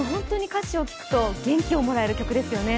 歌詞を聴くと元気をもらえる曲ですね。